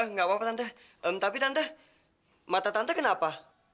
enggak apa apa tante tapi tante mata tante kenapa